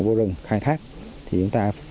vô rừng khai thác thì chúng ta